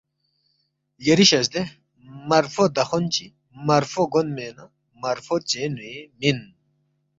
یری شزدے مارفو دخون چی مارفو گونمے نہ مارفو ژینُوی مِن